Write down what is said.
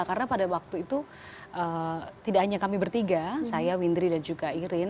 karena pada waktu itu tidak hanya kami bertiga saya windri dan juga irin